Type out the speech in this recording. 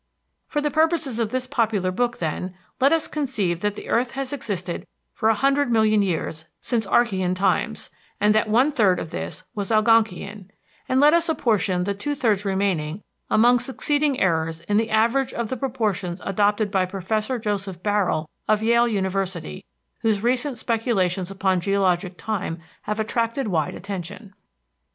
For the purposes of this popular book, then, let us conceive that the earth has existed for a hundred million years since Archean times, and that one third of this was Algonkian; and let us apportion the two thirds remaining among succeeding eras in the average of the proportions adopted by Professor Joseph Barrell of Yale University, whose recent speculations upon geologic time have attracted wide attention.